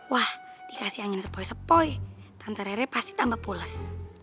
wah dikasih angin sepoi sepoi tante reret pasti tambah poles